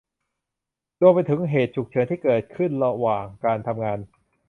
รวมไปถึงเหตุฉุกเฉินที่เกิดขึ้นระหว่างการทำงาน